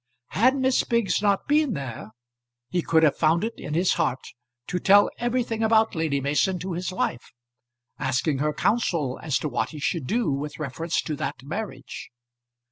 Had Miss Biggs not been there he could have found it in his heart to tell everything about Lady Mason to his wife, asking her counsel as to what he should do with reference to that marriage.